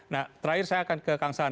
nah terakhir saya akan ke kang saan